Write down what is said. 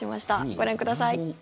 ご覧ください。